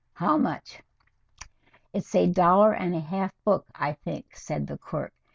How much?" "It's a dollar and a half book, I think," said the clerk.